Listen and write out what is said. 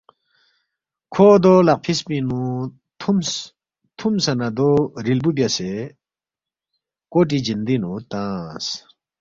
کھو دو لقفِس پِنگ نُو تُھومس، تُھومسے نہ دو ریلبُو بیاسے کوٹی جندِنگ نُو تنگس